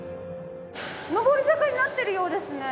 上り坂になっているようですね。